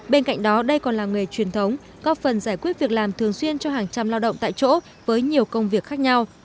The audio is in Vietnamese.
bên cạnh đó đây còn là nghề truyền thống có phần giải quyết việc làm thường xuyên cho hàng trăm lao động tại chỗ với nhiều công việc khác nhau